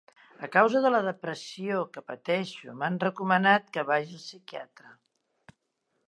A causa de la depressió que pateixo, m'han recomanat que vagi al psiquiatra.